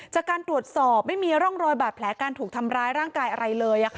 จากการตรวจสอบไม่มีร่องรอยบาดแผลการถูกทำร้ายร่างกายอะไรเลย